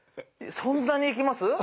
そんなにいきます？